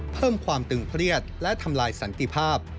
เพิ่มความตึงเครียดและทำลายสันติภาพ